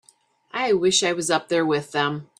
I wish I was up there with them.